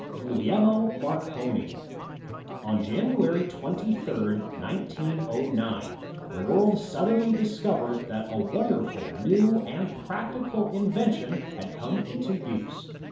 GuGLiELMo Marconi On January 23, 1909, the world suddenly discovered that a wonderful, new, and practical invention had come into use.